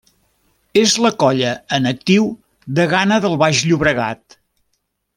És la colla, en actiu, degana del Baix Llobregat.